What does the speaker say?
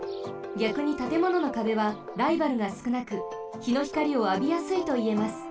ぎゃくにたてもののかべはライバルがすくなくひのひかりをあびやすいといえます。